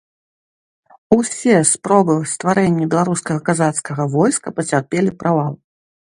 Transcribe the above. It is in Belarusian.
Усе спробы стварэння беларускага казацкага войска пацярпелі правал.